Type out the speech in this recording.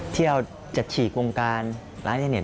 ที่เราจัดฉีกวงการร้านทะเนท